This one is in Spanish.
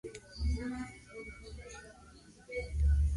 Cuando descubre que Oz ha mandado a recoger sus cosas, Willow se derrumba.